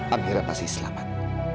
amirah pasti selamat